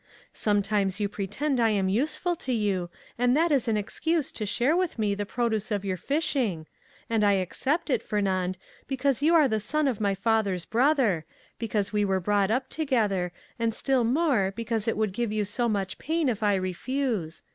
Sometimes you pretend I am useful to you, and that is an excuse to share with me the produce of your fishing, and I accept it, Fernand, because you are the son of my father's brother, because we were brought up together, and still more because it would give you so much pain if I refuse.